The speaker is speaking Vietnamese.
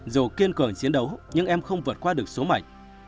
dù kiên cường chiến đấu nhưng em không vượt qua được số mạnh